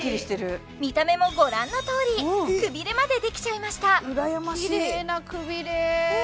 見た目もご覧のとおりくびれまでできちゃいました羨ましいキレイなくびれええ